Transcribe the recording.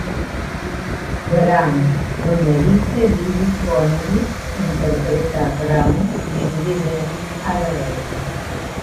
Brown", donde Billy Connolly interpreta a Brown y Judi Dench a la reina.